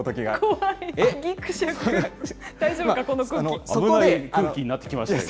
危ない空気になってきましたよ。